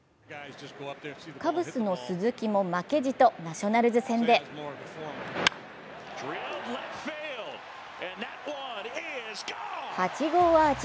カブスの鈴木も負けじとナショナルズ戦で８号アーチ。